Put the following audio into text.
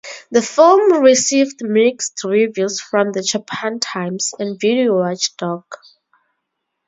The film received mixed reviews from "The Japan Times" and "Video Watchdog".